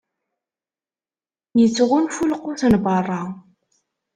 Ittɣunfu lqut n berra.